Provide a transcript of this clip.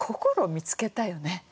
見つけたよね？